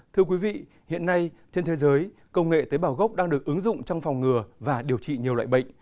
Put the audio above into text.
thưa quý vị hiện nay trên thế giới công nghệ tế bào gốc đang được ứng dụng trong phòng ngừa và điều trị nhiều loại bệnh